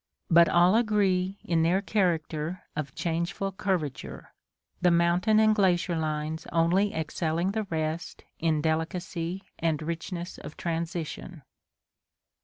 But all agree in their character of changeful curvature, the mountain and glacier lines only excelling the rest in delicacy and richness of transition.